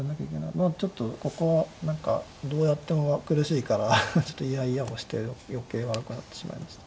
まあちょっとここは何かどうやっても苦しいからちょっといやいやをして余計悪くなってしまいました。